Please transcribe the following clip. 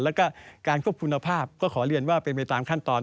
แล้วก็การควบคุมภาพก็ขอเรียนว่าเป็นไปตามขั้นตอน